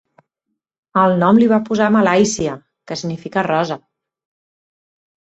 El nom l'hi va posar Malàisia, que significa rosa.